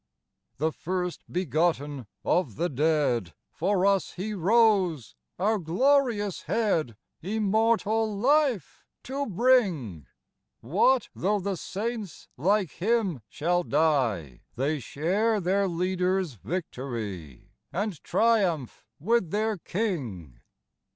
The First begotten of the dead, For us He rose, our glorious Head, Immortal life to bring ; What though the saints like Him shall die ? They share their Leader's victory, And triumph with their King.